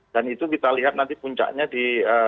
dan itu kita lihat nanti puncaknya di